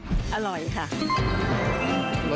อร่อยค่ะ